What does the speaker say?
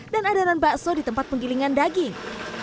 dan adanan bakso di tempat penggilingan daging